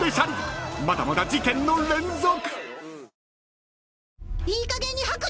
まだまだ事件の連続！］